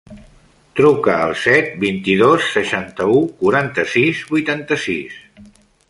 Truca al set, vint-i-dos, seixanta-u, quaranta-sis, vuitanta-sis.